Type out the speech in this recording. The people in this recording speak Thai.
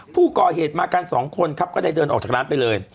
ผู้ก่อเหตุมากันสองคนครับก็ได้เดินออกจากร้านไปเลย